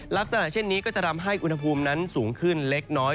ลักษณะเช่นนี้ก็จะทำให้อุณหภูมินั้นสูงขึ้นเล็กน้อย